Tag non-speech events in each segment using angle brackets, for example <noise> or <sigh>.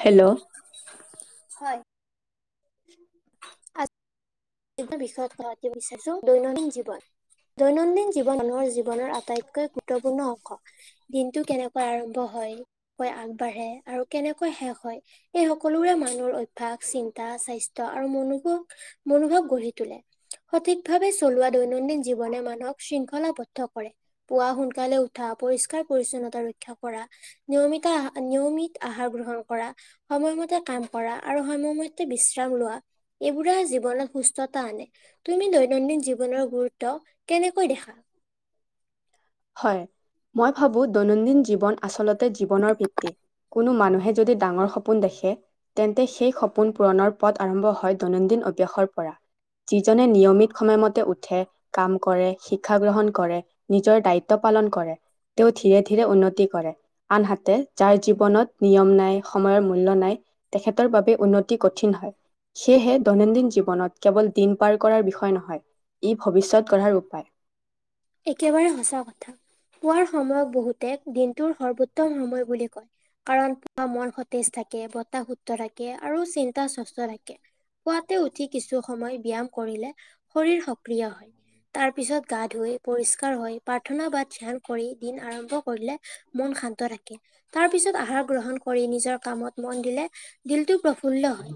Hello. হয়। <unintelligible> <inaudible> বিচাৰিছো দৈনন্দিন জীৱন। দৈনন্দিন জীৱন মানুহৰ জীৱনৰ আটাইতকৈ গুৰুত্বপূৰ্ণ অংশ। দিনটো কেনেকৈ আৰম্ভ হয়, কৈ আগবাঢ়ে আৰু কেনেকৈ শেষ হয় এই সকলোৰে মানুহৰ অভ্যাস, চিন্তা, স্বাস্থ্য আৰু মনোভোগ গঢ়ি তোলে। সঠিক ভাৱে চলোৱা দৈনন্দিন জীৱনে মানুহক শৃংখলাবদ্ধ কৰে। পুৱা সোনকালে উঠা পৰিষ্কাৰ, পৰিছন্নতা ৰক্ষা কৰা। নিয়মিত আহাৰ, নিয়মিক আহাৰ গ্ৰহণ কৰা। সময়মতে কাম কৰা আৰু সময়মতে বিশ্ৰাম লোৱা। এইবোৰে জীৱনত সুস্থতা আনে। তুমি দৈনন্দিন জীৱনৰ গুৰুত্ব কেনেকৈ দেখা? হয় মই ভাবো দৈনন্দিন জীৱন আচলতে জীৱনৰ ভিত্তি। কোনো মানুহে যদি ডাঙৰ সপোন দেখে তেন্তে সেই সপোন পুৰণৰ পথ আৰম্ভ হয় দৈনন্দিন অভ্যাসৰ পৰা যিজনে নিয়মিত সময়মতে উঠে, কাম কৰে, শিক্ষা গ্ৰহণ কৰে নিজৰ দায়িত্ব পালন কৰে। তেওঁ ধীৰে ধীৰে উন্নতি কৰে। আনহাতে যাৰ জীৱনত নিয়ম নাই, সময়ৰ মূল্য নাই তেখেতৰ বাবে উন্নতি কঠিন হয়। সেয়েহে দৈনন্দিন জীৱনত কেৱল দিন পাৰ কৰাৰ বিষয় নহয় ই ভৱিষ্যত গঢ়াৰ উপায়। একেবাৰে সঁচা কথা পুৱাৰ সময়ক বহুতে দিনটোৰ সৰ্বোত্তম সময় বুলি কয়। কাৰণ ত মন সতেজ থাকে বতাহ শুদ্ধ থাকে, আৰু চিন্তা সস্থ থাকে। পুৱাতে উঠি কিছু সময় ব্যায়াম কৰিলে শৰীৰ সক্ৰিয় হয়। তাৰ পিছত গা ধুই পৰিষ্কাৰ হয় প্ৰাৰ্থনা বা ধ্যান কৰি দিন আৰম্ভ কৰিলে মন শান্ত থাকে। তাৰ পিছত আহাৰ গ্ৰহণ কৰি নিজৰ কামত মন দিলে দিলটো প্ৰফুল্ল হয়।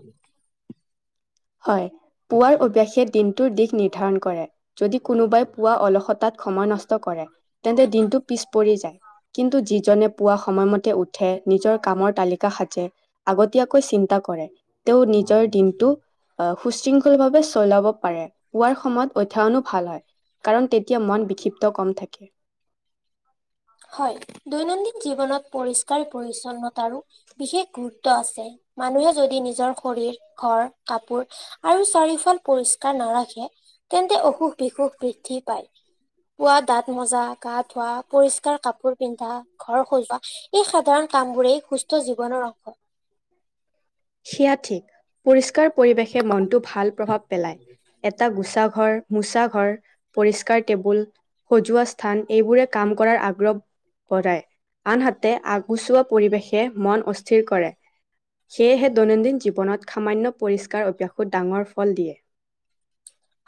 হয় পুৱাৰ অভ্যাসে দিনটোৰ দিশ নিৰ্ধাৰণ কৰে। যদি কোনোবাই পুৱা অলসতাত সময় নষ্ট কৰে তেন্তে দিনটো পিছ পৰি যায়। কিন্তু যিজনে পুৱা সময়মতে উঠে নিজৰ কামৰ তালিকা সাজে। আগতীয়াকৈ চিন্তা কৰে তেওঁ নিজৰ দিনটো আহ সুশৃংখল ভাৱে চলাব পাৰে পোৱাৰ সময়ত অধ্যয়নো ভাল হয়। কাৰণ তেতিয়া মন বিক্ষিপ্ত কম থাকে। হয়, দৈনন্দিন জীৱনত পৰিষ্কাৰ পৰিচ্ছন্নতাৰো বিশেষ গুৰুত্ব আছে মানুহে যদি নিজৰ শৰীৰ ঘৰ কাপোৰ আৰু চাৰিওফাল পৰিষ্কাৰ নাৰাখে তেন্তে অসুখ বিসুখ বৃদ্ধি পায়। পুৱা দাঁত মজা গা ধুৱা পৰিস্কাৰ কাপোৰ পিন্ধা ঘৰ খজোৱা এই সাধাৰণ কাম বোৰেই সুস্থ জীৱনৰ অংশ সেয়া ঠিক পৰিষ্কাৰ পৰিৱেশে মনটো ভাল প্ৰভাৱ পেলায়। এটা গোচা ঘৰ মোচা ঘৰ পৰিষ্কাৰ টেবুল সজোৱা স্থান এইবোৰে কাম কৰাৰ আগ্ৰহ কৰাই আনহাতে আগুচোৱা পৰিৱেশে মন অস্থিৰ কৰে। সেয়েহে দৈনন্দিন জীৱনত সামান্য পৰিষ্কাৰ অভ্যাসত ডাঙৰ ফল দিয়ে।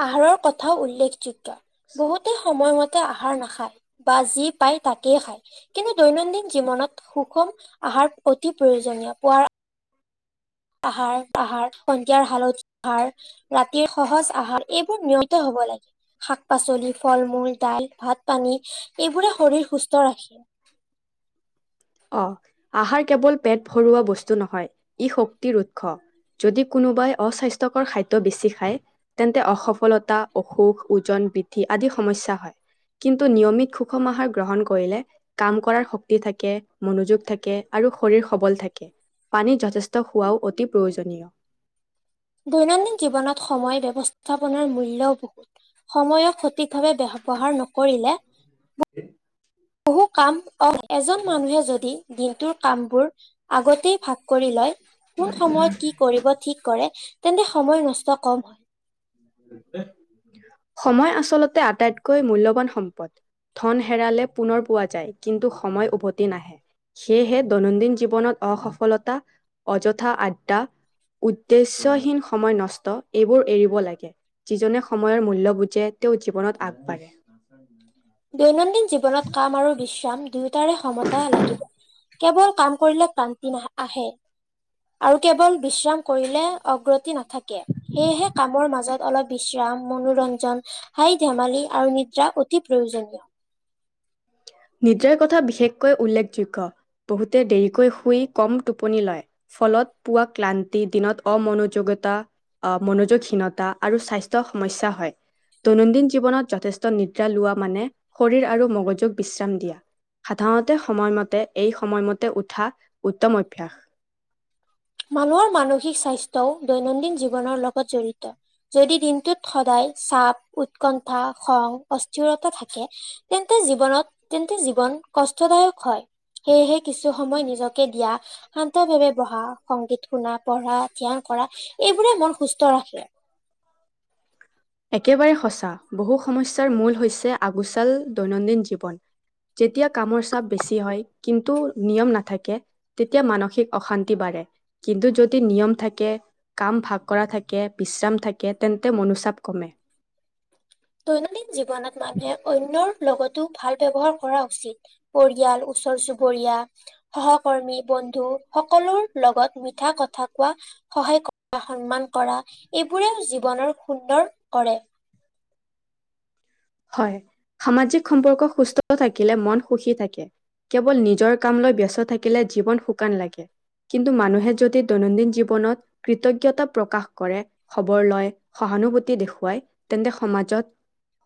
আহাৰৰ কথাও উল্লেখযোগ্য বহুতে সময়মতে আহাৰ নাখায় বা যি পায় তাকেই খায়। কিন্তু দৈনন্দিন জীৱনত সুষম আহাৰ অতি প্ৰয়োজনীয় পুৱাৰ আহাৰ আহাৰ সন্ধিয়াৰ হালধি আহাৰ ৰাতিৰ সহজ আহাৰ এইবোৰ নিয়িত হব লাগে। শাক পাচলি ফল মূল দাইল ভাত পানী এইবোৰে শৰীৰ সুস্থ ৰাখে। অ', আহাৰ কেৱল পেট ভৰুৱা বস্তু নহয় ই শক্তিৰ উৎস। যদি কোনোবাই অস্বাস্থ্যকৰ খাদ্য বেছি খায় তেন্তে অসফলতা অসুখ ওজন বৃদ্ধি আদি সমস্যা হয়। কিন্তু নিয়মিত সুষম আহাৰ গ্ৰহণ কৰিলে কাম কৰাৰ শক্তি থাকে। মনোযোগ থাকে আৰু শৰীৰ সবল থাকে পানীত যথেষ্ট খোৱাও অতি প্ৰয়োজনীয়। দৈনন্দিন জীৱনত সময় ব্যৱস্থাপনাৰ মূল্যও বহুত। সময়ক সঠিক ভাৱে ব্যৱহাৰ নকৰিলে <unintelligible> বহু কাম অ', এজন মানুহে যদি দিনটোৰ কাম বোৰ আগতেই ভাগ কৰি লয় কোন সময়ত কি কৰিব ঠিক কৰে তেন্তে সময় নষ্ট কম হয়। সময় আচলতে আটাইতকৈ মূল্যৱান সম্পদ। ধন হেৰালে পুনৰ পোৱা যায় কিন্তু সময় উভতি নাহে। সেয়েহে দৈনন্দিন জীৱনত অসফলতা অযথা আড্ডা উদ্দেশ্যহীন সময় নষ্ট এইবোৰ এৰিব লাগে। যিজনে সময়ৰ মূল্য বুজে তেওঁ জীৱনত আগবাঢ়ে। <unintelligible> দৈনন্দিন জীৱনত কাম আৰু বিশ্ৰাম দুয়োটাৰে সমতা লাগিব। কেৱল কাম কৰিলে কলান্তি নাহ আহে। আৰু কেৱল বিশ্ৰাম কৰিলে অগ্ৰতি নাথাকে। সেয়েহে কামৰ মাজত অলপ বিশ্ৰাম, মনোৰঞ্জন, হাঁহি-ধেমালি আৰু নিদ্ৰা অতি প্ৰয়োজনীয়। নিদ্ৰাৰ কথা বিশেষকৈ উল্লেখযোগ্য বহুতে দেৰিকৈ শুই কম টোপনি লয়। ফলত পোৱা ক্লান্তি, দিনত অমনযোগতা, অ মনোযোগহীনতা আৰু স্বাস্থ্যৰ সমস্যা হয়। দৈনন্দিন জীৱনত যথেষ্ট নিদ্ৰা লোৱা মানে শৰীৰ আৰু মগজুগ বিশ্ৰাম দিয়া। সাধাৰণতে সময়মতে এই সময়মতে উঠা উত্তম অভ্যাস। মানুহৰ মানসিক স্বাস্থ্যও দৈনন্দিন জীৱনৰ লগত জড়িত। যদি দিনটোত সদায় চাপ, উৎকণ্ঠা, খং, অস্থিৰতা থাকে তেন্তে জীৱনত তেন্তে জীৱন কষ্টদায়ক হয়। সেয়েহে কিছু সময় নিজকে দিয়া, শান্ত ভাৱে বহা সংগীত শুনা, পঢ়া, ধ্যান কৰা এইবোৰে মন সুস্থ ৰাখে। একেবাৰে সঁচা বহু সমস্যাৰ মূল হৈছে আগুচাল দৈনন্দিন জীৱন যেতিয়া কামৰ চাপ বেছি হয় কিন্তু নিয়ম নাথাকে তেতিয়া মানসিক অশান্তি বাঢ়ে। কিন্তু যদি নিয়ম থাকে, কাম ভাগ কৰা থাকে, বিশ্ৰাম থাকে তেন্তে মনোচাপ কমে। দৈনন্দিন জীৱনত মানুহে অন্যৰ লগতো ভাল ব্যৱহাৰ কৰা উচিত। পৰিয়াল, ওচৰ চুবুৰীয়া, সহকৰ্মী, বন্ধু সকলো লগত মিঠা কথা কোৱা সহায় কৰা, সন্মান কৰা এইবোৰেও জীৱনৰ সুন্দৰ কৰে। হয়। সামাজিক সম্পৰ্ক সুস্থ থাকিলে মন সুখী থাকে। কেৱল নিজৰ কাম লৈ ব্যস্ত থাকিলে জীৱন শুকান লাগে। কিন্তু মানুহে যদি দৈনন্দিন জীৱনত কৃতজ্ঞতা প্ৰকাশ কৰে খবৰ লয়, সহানুভূতি দেখুৱাই তেন্তে সমাজত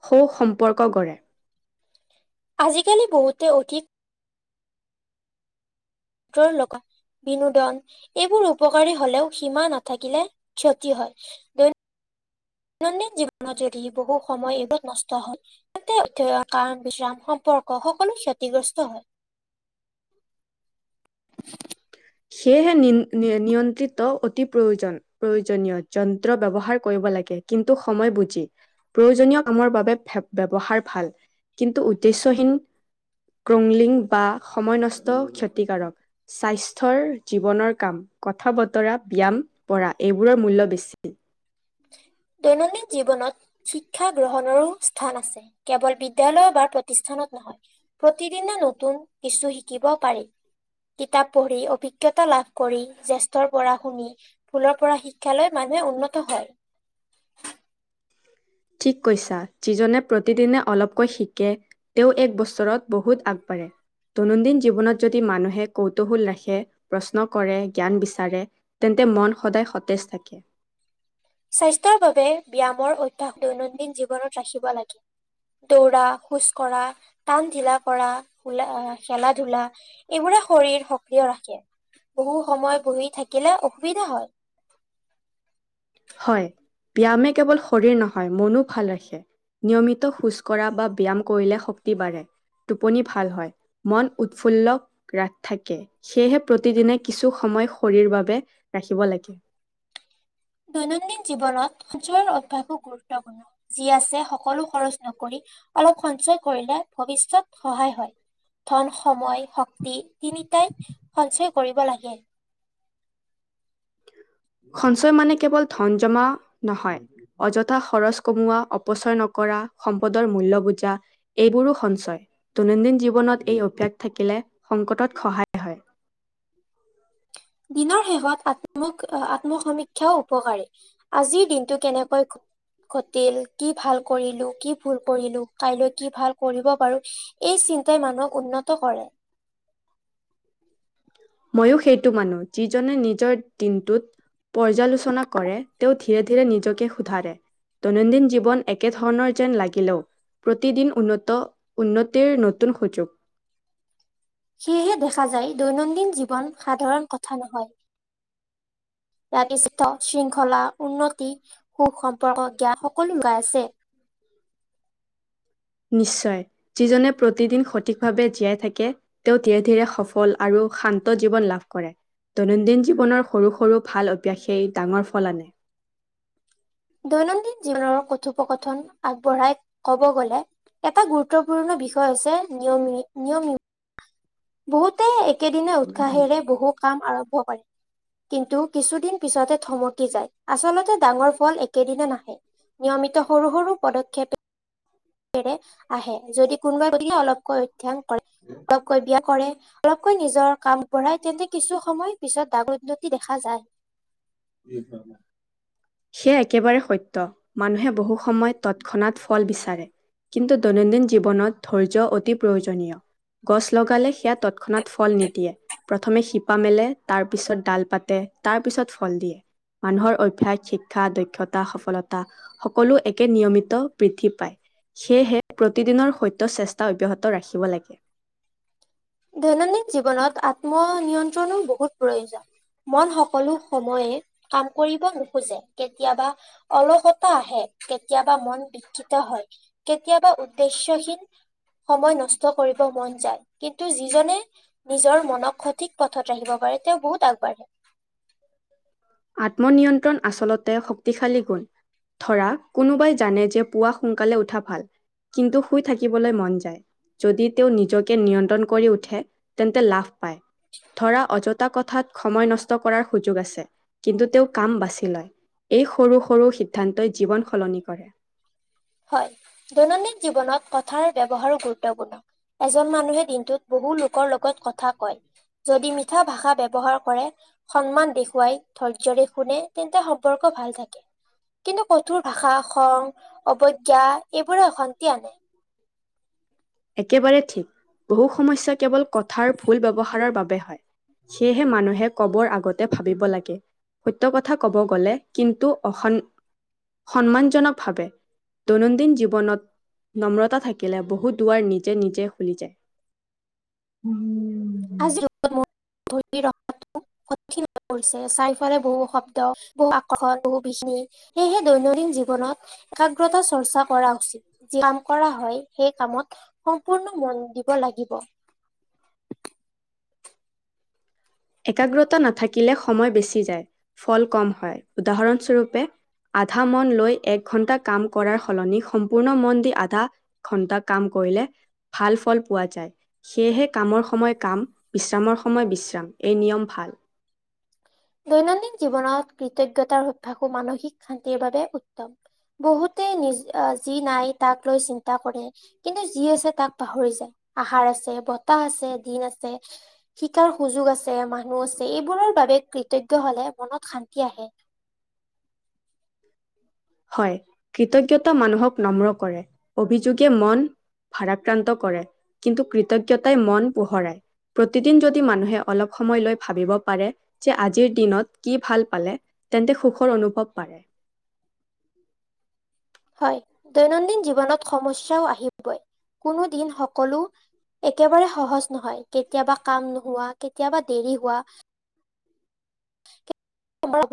সৌ সম্পৰ্ক গঢ়ে। আজিকালি বহুতে অধিক বহুতৰ লগত বিনোদন এইবোৰ উপকাৰী হ'লেও সীমা নাথাকিলে ক্ষতি হয়। দৈনন্দিন জীৱনত যদি বহু সময় এনেই নষ্ট হয় তাতে থকা কাম বিৰাম সম্পৰ্ক সকলো ক্ষতিগ্ৰস্ত হয়। <inaudible> সেয়েহে নিয়ন্ত্ৰিত অতি প্ৰয়োজন। প্ৰয়োজনীয় যন্ত্ৰ ব্যৱহাৰ কৰিব লাগে কিন্তু সময় বুজি। প্ৰয়োজনীয় কামৰ বাবে ব্যৱহাৰ ভাল কিন্তু উদ্দেশ্যহীন ক্ৰংলিং বা সময় নষ্ট ক্ষতিকাৰক। স্বাস্থ থৰ জীৱনৰ কাম, কথা বতৰা ব্যায়াম পৰা এইবোৰৰ মূল্য বেছি। দৈনন্দিন জীৱনত শিক্ষা গ্ৰহণৰো স্থান আছে। কেৱল বিদ্যালয় বা প্ৰতিস্থানত নহয়। প্ৰতিদিনে নতুন কিছু শিকিব পাৰি। কিতাপ পঢ়ি অভিজ্ঞতা লাভ কৰি জ্যেষ্ঠৰ পৰা শুনি ফুলৰ পৰা শিক্ষা লৈ মানুহে উন্নত হয়। ঠিক কৈছা। যিজনে প্ৰতিদিনে অলপকৈ শিকে তেওঁ এক বছৰত বহুত আগবাঢ়ে। দৈনন্দিন জীৱনত যদি মানুহে কৌতুহল ৰাখে প্ৰশ্ন কৰে। জ্ঞান বিচাৰে। তেন্তে মন সদায় সতেজ থাকে। স্বাস্থ্যৰ বাবে ব্যায়ামৰ অভ্যাস দৈনন্দিন জীৱনত ৰাখিব লাগে। দৌৰা খোজ কঢ়া টান ঢিলা কৰা খেলা ধূলা এইবোৰে শৰীৰ সক্ৰিয় ৰাখে। বহু সময় বহি থাকিলে অসুবিধা হয়। হয়। ব্যায়ামে কেৱল শৰীৰ নহয়। মনো ভাল ৰাখে। নিয়মিত খোজ কঢ়া বা ব্যায়াম কৰিলে। শক্তি বাঢ়ে। টোপনি ভাল হয়। মন উৎফুল্ল ৰাগ থাকে। সেয়ে প্ৰতিদিনে কিছুসময় শৰীৰ বাবে ৰাখিব লাগে। দৈনন্দিন জীৱনত সঞ্চয়ৰ অভ্যাসো গুৰুত্বপূৰ্ণ। যি আছে। সকলো খৰচ নকৰি অলপ সঞ্চয় কৰিলে। ভৱিষ্যত সহায় হয়। ধন সময় শক্তি তিনিটাই সঞ্চয় কৰিব লাগে। সঞ্চয় মানে কেৱল ধন জমা নহয়। অযথা খৰচ কমোৱা অপচয় নকৰা সম্পদৰ মূল্য বুজা। এইবোৰো সঞ্চয় দৈনন্দিন জীৱনত এই অভ্যাস থাকিলে সংকটত সহায় হয় দিনৰ শেষত আত্মক আত্মসমীক্ষাও উপকাৰী আজিৰ দিনটো কেনেকৈ গ'ল? ঘটিল কি ভাল কৰিলো? কি ভুল কৰিলো? কাইলৈ কি ভাল কৰিব পাৰো? এই চিন্তাই মানুহক উন্নত কৰে। ময়ো সেইটো মানুহ যিজনে নিজৰ দিনটোত পৰ্যালোচনা কৰে। তেওঁ ধীৰে ধীৰে নিজকে শুধাৰে। দৈনন্দিন জীৱন একেধৰণৰ যেন লাগিলেও। প্ৰতিদিন উন্নত উন্নতিৰ নতুন সুযোগ। সেয়েহে দেখা যায়। দৈনন্দিন জীৱন সাধাৰণ কথা নহয়। ইয়াত বিশিত শৃংখলা উন্নতি সুখ সম্পৰ্ক জ্ঞান সকলো লুকাই আছে। নিশ্চয় যিজনে প্ৰতিদিন সঠিক ভাৱে জীয়াই থাকে। তেওঁ ধীৰে ধীৰে সফল আৰু শান্ত জীৱন লাভ কৰে। দৈনন্দিন জীৱনৰ সৰু সৰু ভাল অভ্যাসেই ডাঙৰ ফল আনে দৈনন্দিন জীৱনৰ কথোপকথন আগবঢ়াই ক'ব গলে এটা গুৰুত্বপূৰ্ণ বিষয় হৈছে। নিয়ম নিয়মিত বহুতে একেদিনা উৎসাহেৰে বহু কাম আৰম্ভ কৰে। কিন্তু কিছুদিন পিছতে থমকি যায়। আচলতে ডাঙৰ ফল একেদিনে নাহে। নিয়মিত সৰু সৰু পদক্ষেপে ৰে আহে যদি <unintelligible> গতিকে অলপকৈ অধ্যয়ন কৰে। মিয়াকৈ কৰে অলপকৈ নিজৰ কাম বঢ়াই তেন্তে কিছু সময় পিছত দাগৰ উন্নতি দেখা যায়। <unintelligible> সেয়া একেবাৰে সত্য মানুহে বহু সময়ত তৎক্ষণাত ফল বিচাৰে কিন্তু দৈনন্দিন জীৱনত ধৈৰ্য্য অতি প্ৰয়োজনীয় গছ লগালে সেয়া তৎক্ষণাত ফল নিদিয়ে। প্ৰথমে শিপা মেলে তাৰ পিছত ডাল পাতে তাৰ পিছত ফল দিয়ে। মানুহৰ অভ্যস শিক্ষা দক্ষতা সফলতা সকলো একে নিয়মিত পায় প্ৰতিদিনৰ স চেষ্টা অব্যাহত ৰাখিব লাগে। দৈনন্দিন, জীৱনত আত্মনিয়ন্ত্ৰণো বহুত প্ৰয়োজন। মন সকলো সময়ে কাম কৰিব নোখোজে কেতিয়াবা। অলসতা আহে কেতিয়াবা মন বিক্ষিত, হয় কেতিয়াবা উদ্দেশ্যয়হীন। সময় নষ্ট কৰিব মন যায়। কিন্তু যিজনে নিজৰ মনক সঠিক পথত ৰাখিব পাৰে তেওঁ বহুত আগবাঢ়ে। <unintelligible> আত্মনিয়ন্ত্ৰণ আচলতে শক্তিশালী গুণ। ধৰা কোনোবাই জানে যে পুৱা সোনকালে উঠা ভাল। কিন্তু শুই থাকিবলৈ মন যায়। যদি তেওঁ নিজকে নিয়ন্ত্ৰণ, কৰি উঠে তেন্তে লাভ পায়। <unintelligible> ধৰা অযথা কথাত সময় নষ্ট কৰাৰ সুযোগ আছে কিন্তু তেওঁ কাম বাচি লয়। এই সৰু সৰু সিদ্ধান্ত জীৱন সলনি কৰে। হয় দৈনন্দিন জীৱনত কথাৰ ব্যৱহাৰো গুৰুত্বপূৰ্ণ। এজন মানুহে দিনটোত বহু লোকৰ লগত কথা কয়। যদি মিঠা ভাষা ব্যবহাৰ কৰে। সন্মান দেখুৱাই ধৈৰ্যৰে শুনে তেন্তে সম্পৰ্ক ভাল থাকে। কিন্তু কঠোৰ ভাষা খ অৱজ্ঞা এইবোৰে অশান্তি আনে। একেবাৰে ঠিক বহু সমস্যা কেৱল কথাৰ ভুল ব্যৱহাৰ বাবে হয়। সেয়েহে মানুহে কবৰ আগতে ভাবিব লাগে। সত্য কথা ক'ব গ'লে কিন্তু অস সন্মানজনক ভাৱে দৈনন্দিন জীৱনত নম্ৰতা থাকিলে বহুত দুৱাৰ নিজে নিজে খুলি যায়। মই ধৰি ৰখ কঠি হৈ পৰিছে চাৰিওফালে বহু শব্দ, বহু আকৰ্ষণ, বহু বিশমিয়। সেহে দৈনন্দিন জীৱনত একাগ্ৰতা কৰা উচিত যি কাম কৰা হয় সেই কামত সম্পূৰ্ণ মন দিব লাগিব। একাগ্ৰতা নাথাকে। শিকিলে সময় বেছি যায় ফল কম হয়। উদাহৰণস্বৰূপে আধা মন লৈ এক ঘন্টা কাম কৰাৰ সলনি সম্পূৰ্ণ মন দি আধা ঘন্টা কাম কৰিলে ভাল ফল পোৱা যায়। সেয়েহে কামৰ সময় কাম বিশ্ৰামৰ সময় বিশ্ৰাম এই নিয়ম ভাল। দৈনন্দিন জীৱনত কৃতজ্ঞতাৰ অভ্যাসো মানসিক শান্তিৰ বাবে উত্তম। বহুতে নিজ যি নাই তাক লৈ চিন্তা কৰে। কিন্তু যি আছে তাক পাহৰি, যায় আহাৰ, আছে বতাহ, আছে দিন আছে। শিকাৰ সুযোগ আছে মানুহ আছে এইবোৰৰ বাবে কৃতজ্ঞ হলে মনত শান্তি আহে। উ হয় কৃতজ্ঞতা মানুহক নম্ৰ কৰে অভিযোগে মন ভাৰাক্ৰান্ত কৰে কিন্তু কৃতজ্ঞতাই মন পোহৰাই। প্ৰতিদিন যদি মানুহে অলপ সময় লৈ পাৰে যে আজিৰ দিনত ভাল পালে তেন্তে সুখৰ অনুভৱ পাৰে। <inaudible> হয়, দৈনন্দিন জীৱনত সমস্যাও আহিবই। কোনো দিন সকলো একেবাৰে সহজ নহয়, কেতিয়াবা কাম নোহোৱা কেতিয়াবা দেৰি হোৱা। <unintelligible>